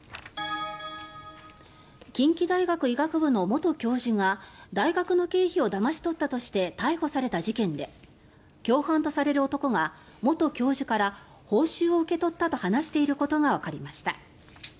近畿大学医学部の元教授が大学の経費をだまし取ったとして逮捕された事件で共犯とされる男が元教授から報酬を受け取ったと話していることがわかりました。